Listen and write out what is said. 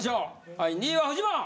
はい２位はフジモン。